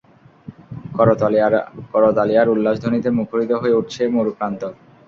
করতালি আর উল্লাস ধ্বনিতে মুখরিত হয়ে উঠছে মরুপ্রান্তর।